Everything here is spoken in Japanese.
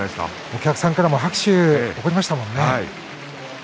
お客さんからも拍手が起こりましたね。